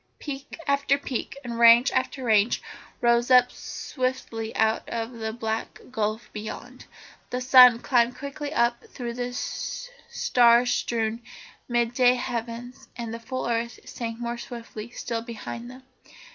Peak after peak and range after range rose up swiftly out of the black gulf beyond. The sun climbed quickly up through the star strewn, mid day heavens, and the full earth sank more swiftly still behind them.